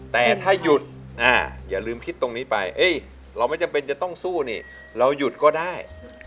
แต่ถ้าหยุดอย่าลืมคิดตรงนี้ไปเราไม่จำเป็นจะต้องสู้นี่เราหยุดก็ได้